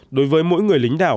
đối với mỗi người lính đảo